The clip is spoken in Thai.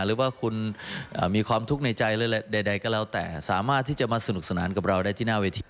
หรือว่าคุณมีความทุกข์ในใจใดก็แล้วแต่สามารถที่จะมาสนุกสนานกับเราได้ที่หน้าเวที